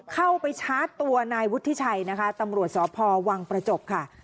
เข้าไปชาร์จตัวนายวุฒิชัยนะคะตำรวจสพวังประจบค่ะ